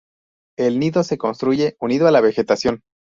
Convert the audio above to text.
El nido se construye unido a la vegetación.